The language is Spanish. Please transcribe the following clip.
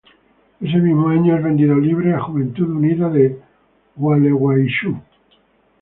Ese mismo año es vendido libre a Juventud Unida de Gualeguaychú.